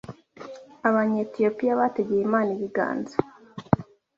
Abanyetiyopiya bategeye Imana ibiganza